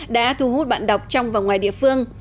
đã thu hút bạn đọc trong và ngoài địa phương